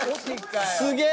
すげえ！